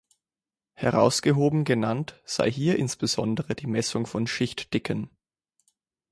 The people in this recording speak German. Herausgehoben genannt sei hier insbesondere die Messung von Schichtdicken.